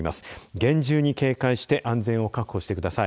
厳重に警戒して安全を確保してください。